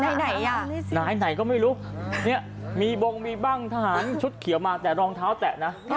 ไหนอ่ะนายไหนก็ไม่รู้เนี่ยมีบงมีบ้างทหารชุดเขียวมาแต่รองเท้าแตะนะ